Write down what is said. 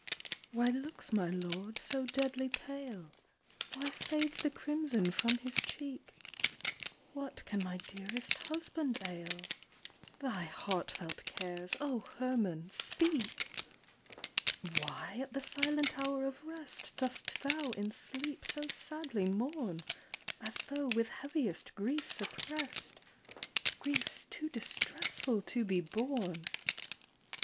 W HY looks my lord so deadly pale? Why fades the crimson from his cheek ? What can my dearest husband ail ? Thy heartfelt cares, O Herman, speak !" Why, at the silent hour of rest, Dost thou in sleep so sadly mourn ? As tho' with heaviest griefs oppress'd, Griefs too distressful to be borne.